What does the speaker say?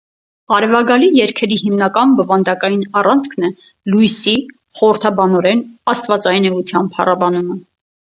Արևագալի երգերի հիմնական բովանդակային առանցքն է լույսի, խորհրդաբանորեն՝ աստվածային էության փառաբանումը։